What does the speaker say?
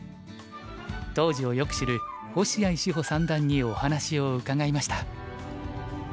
当時をよく知る星合志保三段にお話を伺いました。